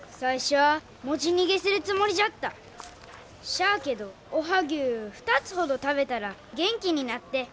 しゃあけどおはぎゅう２つほど食べたら元気になって。